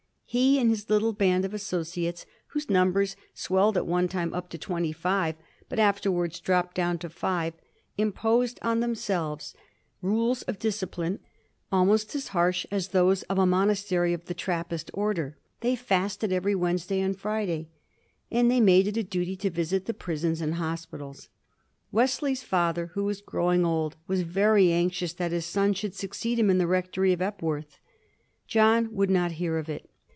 He and his little band of associates, whose numbers swell ied at one time up to twenty five, but afterwards dropped down to five, imposed on themselves rules of discipline almost as harsh as those of a monastery of the Trappist order. They fasted every Wednesday and Friday, and they made it a duty to visit the prisons and hospitals. Wesley's father, who was growing old, was very anxious that his son should succeed him in the rectory of Epworth. John would not hear of it.